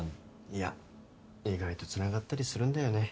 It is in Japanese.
いや意外とつながったりするんだよね。